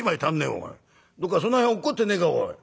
どっかその辺落っこってねえかおい。